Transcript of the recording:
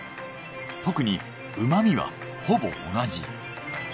特にうま味はほぼ同じ。